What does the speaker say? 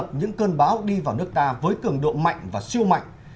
dồn dập những cơn bão đi vào nước ta với cường độ mạnh và siêu mạnh